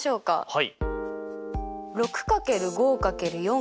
はい。